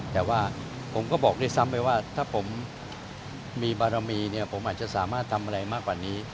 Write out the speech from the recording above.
แต่ว่าผมก็บอกด้วยซ้ำไปว่าถ้าผมมีบารมีเนี่ยผมอาจจะสามารถทำอะไรมากกว่านี้